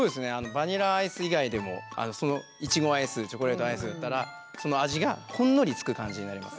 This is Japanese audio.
バニラアイス以外でもそのいちごアイスチョコレートアイスだったらその味がほんのりつく感じになります。